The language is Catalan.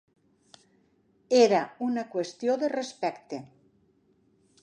Era una qüestió de respecte.